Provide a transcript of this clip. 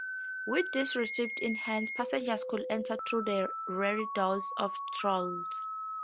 With this receipt in hand, passengers could enter through the rear doors of trolleys.